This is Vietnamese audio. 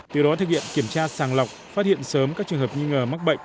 từ đó thực hiện kiểm tra sàng lọc phát hiện sớm các trường hợp nghi ngờ mắc bệnh